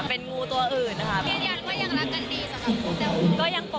พิจารณ์ว่ายังรักกันดีสำหรับงูแต้ว